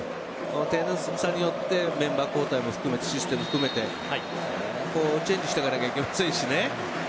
点差によってメンバー交代も含めてシステムも含めてチェンジしていかなければいけませんしね。